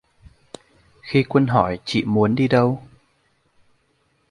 Khi quân hỏi chị muốn đi đâu